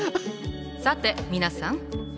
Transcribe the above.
さて皆さん。